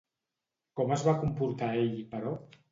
Com es va comportar ell, però?